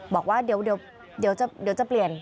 บอกว่าเดี๋ยวจะเปลี่ยน